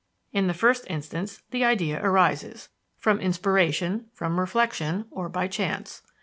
In the first instance, the idea arises, from inspiration, from reflection, or by chance.